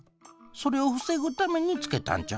それを防ぐためにつけたんちゃう？